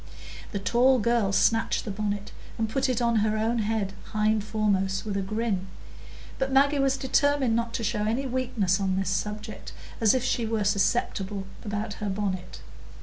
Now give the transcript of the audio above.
The tall girl snatched the bonnet and put it on her own head hind foremost with a grin; but Maggie was determined not to show any weakness on this subject, as if she were susceptible about her bonnet.